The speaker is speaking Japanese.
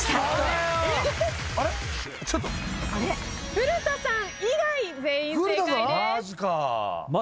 古田さん以外全員正解です。